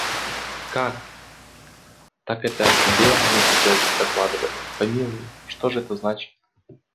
– Как! Так это о тебе мне сейчас докладывали? Помилуй! что ж это значит?